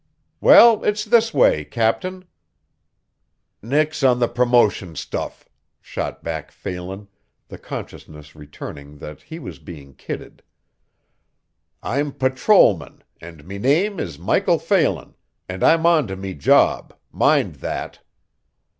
"Well, it's this way, captain." "Nix on the promotion stuff," shot back Phelan, the consciousness returning that he was being kidded. "I'm patrolman and me name is Michael Phelan, and I'm onto me job mind that!"